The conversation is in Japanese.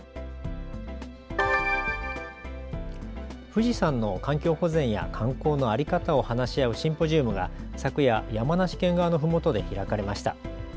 富士山の環境保全や観光の在り方を話し合うシンポジウムが昨夜、山梨県側のふもとで開かれました。